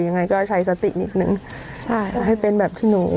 ยังไงก็ใช้สติอีกนึงให้เป็นแบบที่หนู